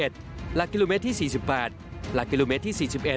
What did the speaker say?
หลักกิโลเมตรที่๔๘หลักกิโลเมตรที่๔๑